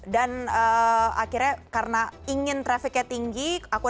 dan akhirnya karena ingin trafiknya tinggi